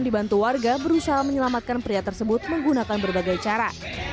dibantu warga berusaha menyelamatkan pria tersebut menggunakan berbagai cara